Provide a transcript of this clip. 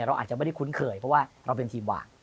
เราอาจจะไม่ได้คุ้นเคยเพราะว่าเราเป็นทีมวาง